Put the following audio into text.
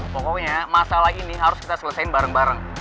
pokoknya masalah ini harus kita selesaikan bareng bareng